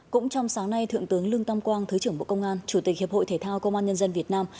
cũng trong sáng nay thượng tướng lương tâm quang thứ trưởng bộ công an chủ tịch hiệp hội thể thao công an nhân dân việt nam